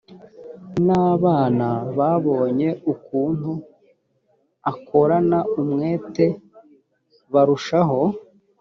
n abana babonye ukuntu akorana umwete barushaho